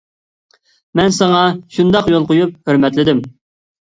مەن ساڭا شۇنداق يول قويۇپ ھۆرمەتلىدىم.